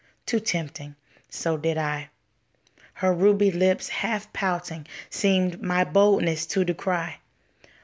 Too tempting; so did I. Her ruby lips, half pouting, seemed My boldness to decry.